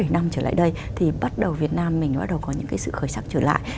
bảy năm trở lại đây thì bắt đầu việt nam mình bắt đầu có những cái sự khởi sắc trở lại